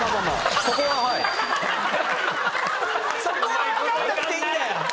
そこは分からなくていいんだよ！